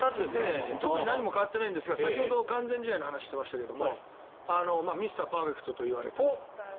特に何も変わっていないんですが先ほど完全試合の話をしていましたがミスターパーフェクトといわれた。